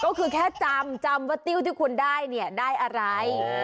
ก็คือแค่จำจำว่าติ้วที่คุณได้เนี่ยได้อะไร